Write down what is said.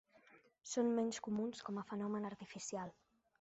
Són menys comuns com a fenomen artificial.